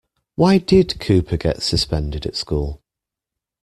Why did Cooper get suspended at school?